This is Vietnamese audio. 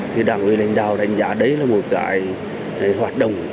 thì đảng ủy lãnh đạo đánh giá đấy là một cái hoạt động